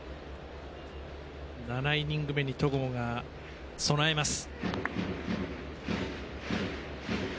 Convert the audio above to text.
７イニング目に戸郷が備えます。